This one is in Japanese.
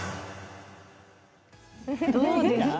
どうですか？